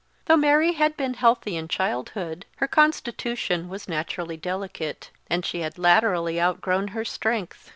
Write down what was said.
Though Mary had been healthy in childhood, her constitution was naturally delicate, and she had latterly outgrown her strength.